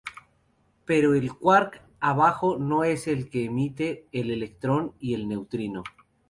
Pero el quark abajo no es el que emite el electrón y el neutrino.